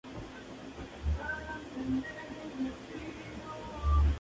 Distingue primero la educación física, de la educación espiritual.